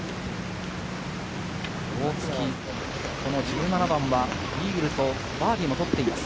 大槻、この１７番はイーグルとバーディーも取っています。